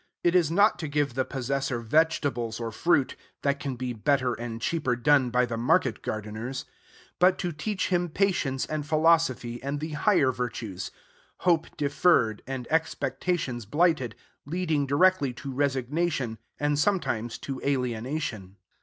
It is not to give the possessor vegetables or fruit (that can be better and cheaper done by the market gardeners), but to teach him patience and philosophy and the higher virtues, hope deferred and expectations blighted, leading directly to resignation and sometimes to alienation.